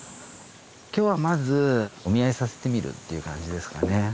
今日はまずお見合いさせてみるっていう感じですかね。